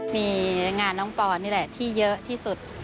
มีงานน้องปอนนี่แหละที่เยอะที่สุด